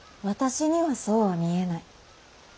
私にはそうは見えない。